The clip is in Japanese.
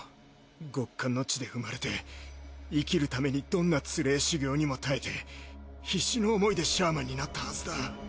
極寒の地で生まれて生きるためにどんなつれぇ修行にも耐えて必死の思いでシャーマンになったはずだ。